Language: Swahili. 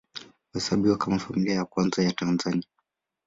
Huhesabiwa kama Familia ya Kwanza ya Tanzania.